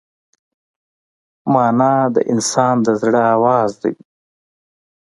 مانا د انسان د زړه آواز دی.